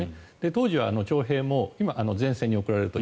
当時は徴兵も今、前線に送られると。